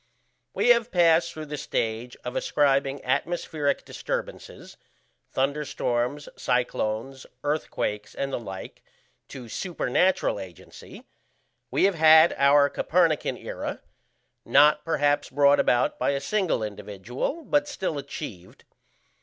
We have passed through the stage of ascribing atmospheric disturbances thunderstorms, cyclones, earthquakes, and the like to supernatural agency; we have had our Copernican era: not perhaps brought about by a single individual, but still achieved.